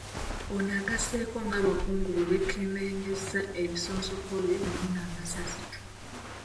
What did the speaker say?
Ono agasseeko ng’abakungu bwe beekenneenyezza ebisosonkole wamu n’amasasi.